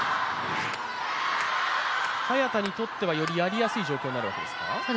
早田にとってはよりやりやすい状況になるんですか？